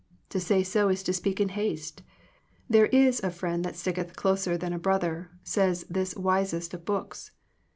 To say so is to speak in haste. There is a friend that sticketh closer than a brother, says this wisest of books.